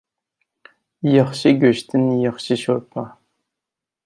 ياخشى گۆشتىن ياخشى شورپا.